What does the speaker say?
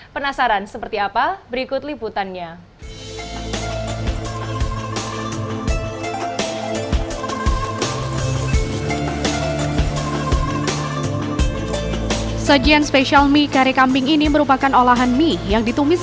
penasaran seperti apa berikut liputannya